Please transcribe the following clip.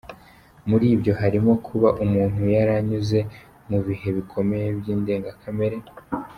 Muri ibyo harimo kuba umuntu yaranyuze mu bihe bikomeye by’indenga kamere.